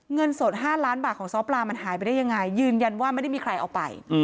เงินสด๕ล้านบาทของซ้อปลามันหายไปได้ยังไงยืนยันว่าไม่ได้มีใครเอาไป